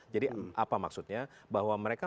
jadi apa maksudnya bahwa mereka